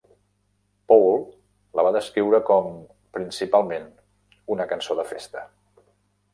Paul la va descriure com... principalment una cançó de festa.